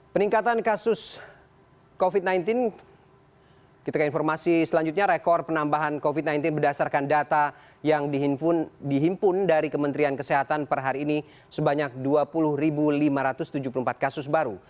peningkatan kasus covid sembilan belas kita ke informasi selanjutnya rekor penambahan covid sembilan belas berdasarkan data yang dihimpun dari kementerian kesehatan per hari ini sebanyak dua puluh lima ratus tujuh puluh empat kasus baru